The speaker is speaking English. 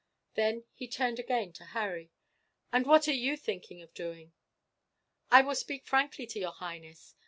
Then he turned again to Harry. "And what are you thinking of doing?" "I will speak frankly to your highness.